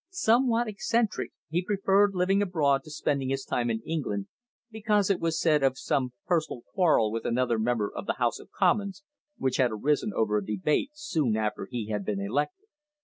Somewhat eccentric, he preferred living abroad to spending his time in England, because, it was said, of some personal quarrel with another Member of the House of Commons which had arisen over a debate soon after he had been elected.